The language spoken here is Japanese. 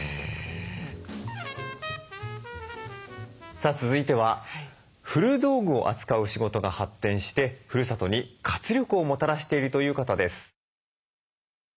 さあ続いては古道具を扱うお仕事が発展してふるさとに活力をもたらしているという方です。